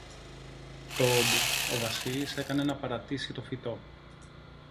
Τωόντι, ο Βασίλης έκανε να παρατήσει το φυτό